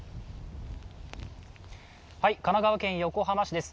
神奈川県横浜市です。